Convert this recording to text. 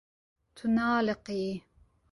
Tu nealiqiyî.